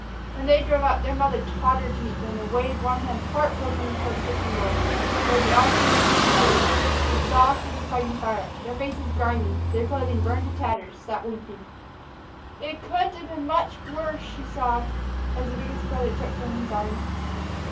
When they drove up, their mother tottered to meet them, and waved one hand heartbrokenly toward the kitchen door, where the eldest and the youngest brothers, exhausted with fighting fire, their faces grimy, their clothing burned to tatters, sat weeping. "It couldn't have been much worse," she sobbed, as the biggest brother took her in his arms.